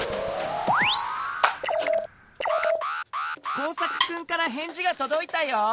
コウサクくんからへんじがとどいたよ。